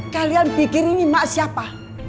kalian pikir ini mak siapa